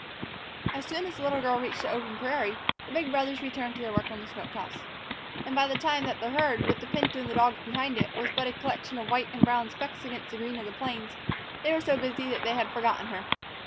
As soon as the little girl reached the open prairie, the big brothers returned to their work on the smoke house. And by the time that the herd, with the pinto and the dogs behind it, was but a collection of white and brown specks against the green of the plains, they were so busy that they had forgotten her.